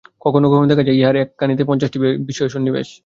কখনও কখনও দেখা যায়, ইহার একখানিতেই পঞ্চাশটি বিষয়ের সন্নিবেশ।